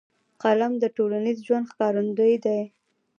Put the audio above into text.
فلم د ټولنیز ژوند ښکارندوی دی